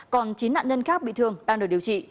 còn chín nạn nhân khác bị thương đang được điều trị